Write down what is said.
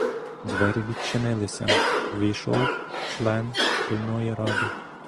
Двері відчинилися, увійшов член шкільної ради.